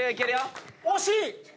惜しい！